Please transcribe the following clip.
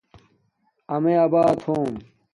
امیے آبار ہوم